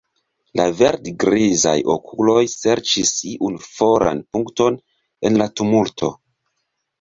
La verd-grizaj okuloj serĉis iun foran punkton en la tumulto.